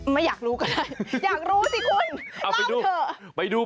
ไม่อยากรู้ก็ได้อยากรู้สิคุณ